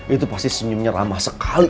itu pasti senyumnya ramah sekali